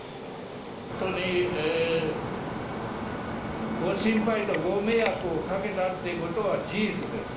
本当にご心配とご迷惑をかけたということは事実です。